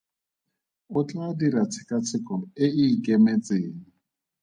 O tla dira tshekatsheko e e ikemetseng.